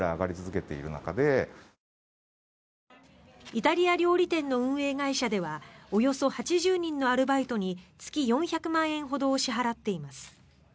イタリア料理店の運営会社ではおよそ８０人のアルバイトに月４００万円ほどを支払っています。